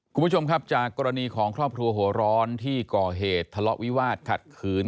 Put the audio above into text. คุณผู้ชมครับจากกรณีของครอบครัวหัวร้อนที่ก่อเหตุทะเลาะวิวาสขัดขืน